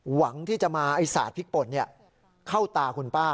หวังที่จะมาสาดพริกป่นเข้าตาคุณป้า